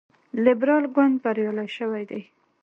لیبرال ګوند بریالی شوی دی.